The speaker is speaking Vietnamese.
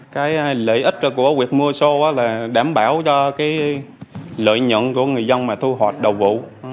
cái lợi ích của việc mua sô là đảm bảo cho cái lợi nhuận của người dân mà thu hoạch đầu vụ